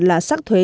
là sắc thuế